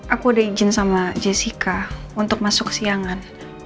aku udah izin sama jessica untuk masuk siangan